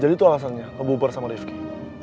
jadi itu alasannya lo bubur sama rifqi